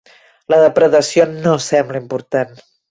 La depredació no sembla important.